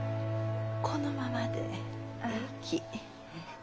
このままでえいき。